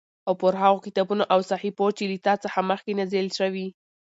او پر هغو کتابونو او صحيفو چې له تا څخه مخکې نازل شوي